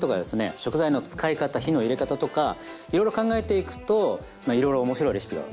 食材の使い方火の入れ方とかいろいろ考えていくといろいろ面白いレシピが思いつくわけですよね。